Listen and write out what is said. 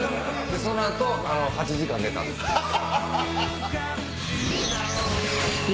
その後８時間寝たんです。